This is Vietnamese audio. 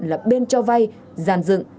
là bên cho vai giàn dựng